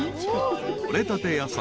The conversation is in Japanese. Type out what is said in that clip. ［取れたて野菜］